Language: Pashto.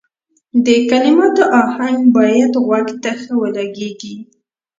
د کلماتو اهنګ باید غوږ ته ښه ولګیږي.